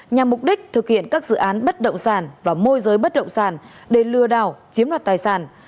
nhằm mục đích thực hiện các dự án bất động sản và môi giới bất động sản để lừa đảo chiếm đoạt tài sản